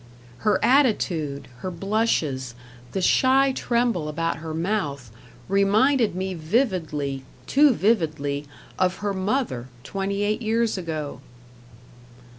Her attitude, her blushes, the shy tremble about her mouth, reminded me vividly, too vividly, of her mother twenty eight years ago.